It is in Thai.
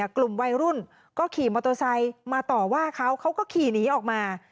กลุ่มวัยรุ่นก็ขี่มอเตอร์ไซค์มาต่อว่าเขาเขาก็ขี่หนีออกมา